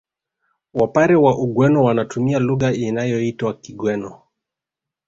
Wapare wa Ugweno wanatumia lugha inayoitwa Kigweno